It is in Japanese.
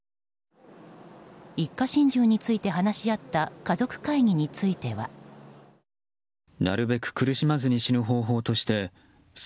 一家心中について話し合った家族会議については。と、説明。